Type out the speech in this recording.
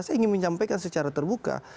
saya ingin menyampaikan secara terbuka